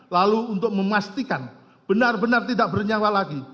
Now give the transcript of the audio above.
lalu untuk memastikan benar benar tidak bernyawa lagi